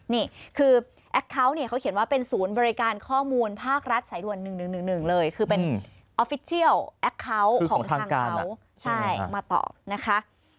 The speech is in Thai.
นี่คือเขาเขียนว่าเป็นศูนย์บริการข้อมูลภาครัฐสายด่วน๑๑๑เลยคือเป็นออฟฟิเชียลแอคเคาน์ของทางการมาต่อนะคะ